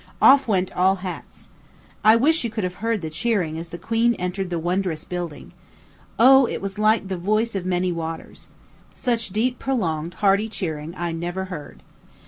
Off went all hats. I wish you could have heard the cheering as the queen entered the wondrous building. O, it was like "the voice of many waters." Such deep, prolonged, hearty cheering I never, heard.